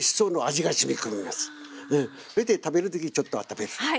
食べる時にちょっとあっためる。